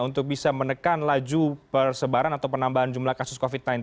untuk bisa menekan laju persebaran atau penambahan jumlah kasus covid sembilan belas